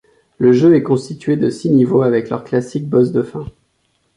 Le jeu est constitué de six niveaux, avec leurs classiques boss de fin.